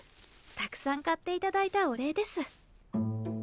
たくさん買っていただいたお礼です。